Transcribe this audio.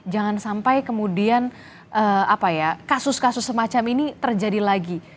jangan sampai kemudian kasus kasus semacam ini terjadi lagi